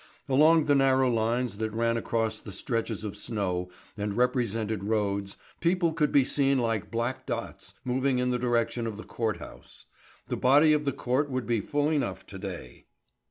Along the narrow lines that ran across the stretches of snow and represented roads, people could be seen like black dots moving in the direction of the court house. The body of the court would be full enough to day.